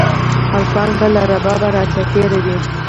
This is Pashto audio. هلکان به له ربابه راچاپېر وي